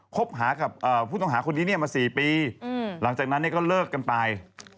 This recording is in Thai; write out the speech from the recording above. คบหากับผู้ต้องหาคนนี้มา๔ปีหลังจากนั้นก็เลิกกันไป